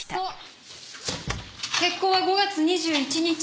決行は５月２１日。